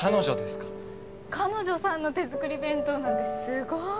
彼女さんの手作り弁当なんてすごーい！